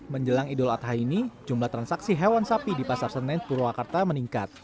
menjelang idul adha ini jumlah transaksi hewan sapi di pasar senen purwakarta meningkat